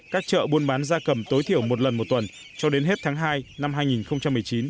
các chợ buôn bán da cầm tối thiểu một lần một tuần cho đến hết tháng hai năm hai nghìn một mươi chín